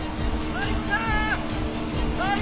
マリコさん！